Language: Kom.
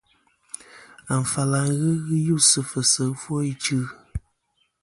Afal a ghɨ ghɨ us sɨ fɨsi ɨfwo ichɨ.